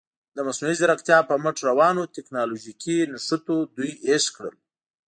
د مصنوعي زیرکتیا په مټ روانو تکنالوژیکي نښتو دوی هېښ کړل.